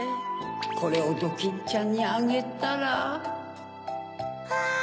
これをドキンちゃんにあげたらわぁ！